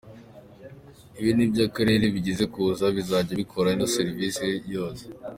Ibi ni iby’akarere bigiye kuza, bizajya bikora izo serivisi zose.